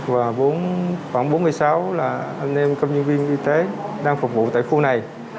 và khoảng bốn mươi sáu là anh em công nhân viên y tế đang phục vụ tại khu này